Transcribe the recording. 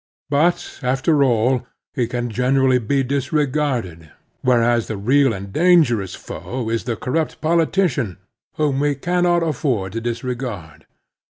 But, after all, he can generally be disregarded, whereas the real and dangerous foe is the corrupt politician, whom we cannot afford to disregard.